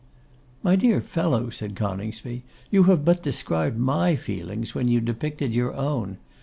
'My dear fellow,' said Coningsby, 'you have but described my feelings when you depicted your own.